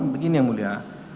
begini yang mulia